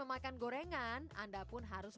makan gorengan anda pun harus